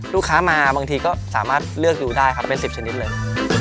ลูกค้ามาบางทีก็สามารถเลือกดูได้ครับเป็น๑๐ชนิดเลย